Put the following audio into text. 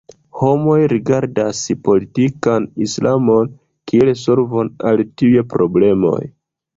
Homoj rigardas politikan Islamon kiel solvon al tiuj problemoj.